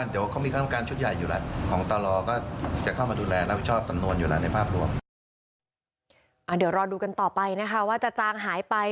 เดี๋ยวรอดูกันต่อไปนะคะว่าจะจางหายไป